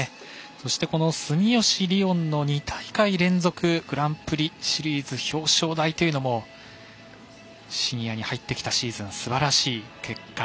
そして住吉りをんの２大会連続グランプリシリーズ表彰台もシニアに入ってきたシーズンすばらしい結果。